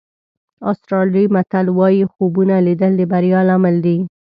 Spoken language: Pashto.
آسټرالیایي متل وایي خوبونه لیدل د بریا لامل دي.